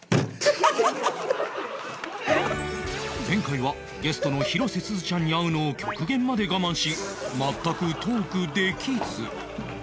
前回はゲストの広瀬すずちゃんに会うのを極限まで我慢し全くトークできず